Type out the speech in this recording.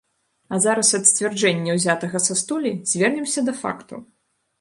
А зараз ад сцвярджэння, узятага са столі, звернемся да фактаў.